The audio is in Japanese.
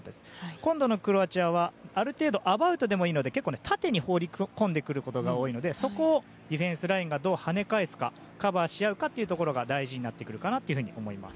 今度のクロアチアはある程度アバウトでもいいので縦に放り込んでくることが多いのでそこをディフェンスラインがどう跳ね返すかカバーし合うかが大事になってくるかと思います。